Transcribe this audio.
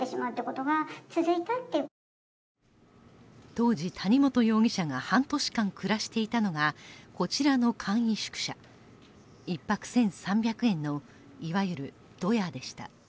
当時、谷本容疑者が半年間暮らしていたのがこちらの簡易宿舎、１泊１３００円のいわゆるドヤでした。